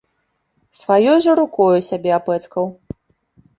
Сваёй жа рукою сябе апэцкаў.